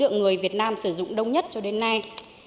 lượng người việt nam sử dụng đông nhất cho đến nay